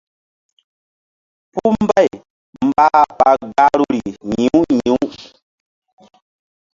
Puh mbay mbah ɓa gahruri yi̧w yi̧w.